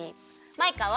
マイカは？